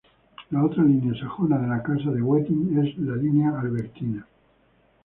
La otra línea sajona de la Casa de Wettin es la Línea albertina.